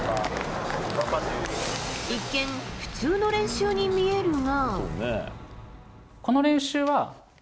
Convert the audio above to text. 一見、普通の練習に見えるが。